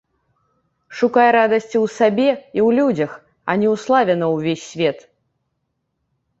Шукай радасці ў сабе і ў людзях, а не ў славе на ўвесь свет.